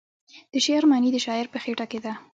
د شعر معنی د شاعر په خیټه کې ده.